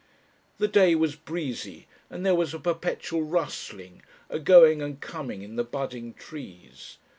The day was breezy, and there was a perpetual rustling, a going and coming in the budding trees.